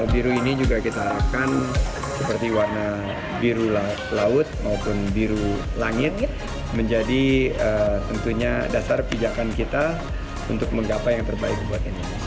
biru ini juga kita harapkan seperti warna biru laut maupun biru langit menjadi tentunya dasar pijakan kita untuk menggapai yang terbaik buat ini